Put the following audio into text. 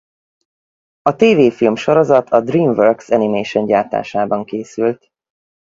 A tévéfilmsorozat a DreamWorks Animation gyártásában készült.